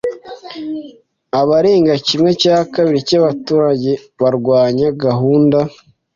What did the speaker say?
Abarenga kimwe cya kabiri cyabaturage barwanya gahunda.